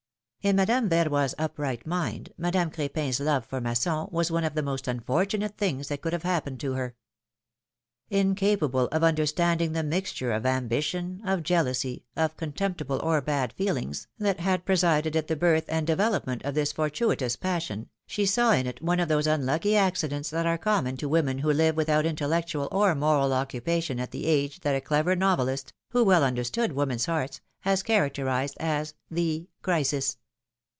In Madame Verroy's upright mind, Madame Crepin's love for Masson was one of the most unfortunate things that could have happened to her. Incapable of under standing the mixture of ambition, of jealousy, of contemp tible or bad feelings, that had presided at the birth and development of this fortuitous passion, she saw in it one of those unlucky accidents that are common to women who live without intellectual or moral occupation at the age that a clever novelist, who well understood women^s hearts, has characterized as the crisis.'^ philomIine^s marriages.